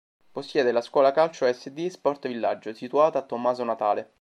Possiede la "Scuola Calcio Asd Sport Villaggio" situata a Tommaso Natale.